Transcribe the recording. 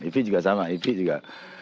ify juga sama ify juga